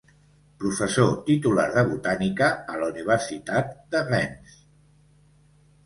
Professor titular de botànica a la Universitat de Rennes.